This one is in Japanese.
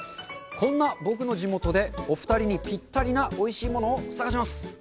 こんな僕の地元で、お二人にぴったりなおいしいものを探します！